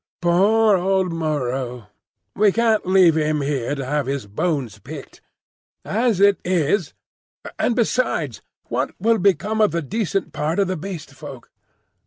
Poor old Moreau! We can't leave him here to have his bones picked. As it is—And besides, what will become of the decent part of the Beast Folk?"